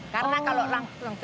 karena kalau langsung tinggi